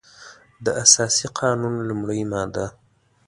د اساسي قانون لمړۍ ماده